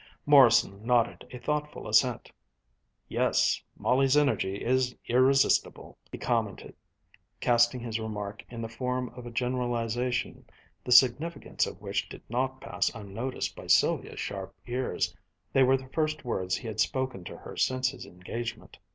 Morrison nodded a thoughtful assent. "Yes, Molly's energy is irresistible," he commented, casting his remark in the form of a generalization the significance of which did not pass unnoticed by Sylvia's sharp ears. They were the first words he had spoken to her since his engagement.